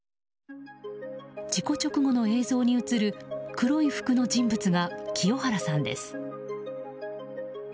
事故直後の映像に映る黒い服の人物が清原さんです。